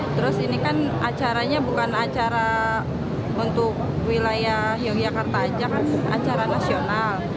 terus ini kan acaranya bukan acara untuk wilayah yogyakarta aja kan acara nasional